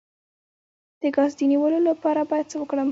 د ګاز د نیولو لپاره باید څه وکړم؟